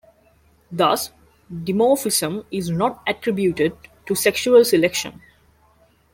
Thus, the dimorphism is not attributed to sexual selection.